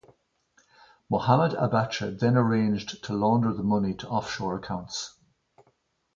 Mohammed Abacha then arranged to launder the money to offshore accounts.